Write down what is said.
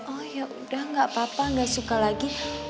oh ya udah gak apa apa nggak suka lagi